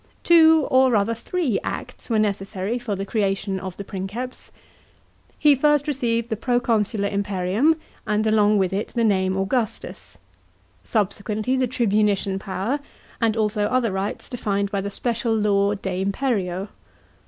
Two, or rather three, acts were necessary for the creation of the Princeps. He first received the proconsular imperium and along with it the name Augustus ; subsequently the tribunician power ; and also other rights defined by the special Law de imperio.